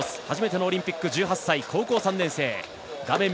初めてのオリンピック、１８歳高校３年生。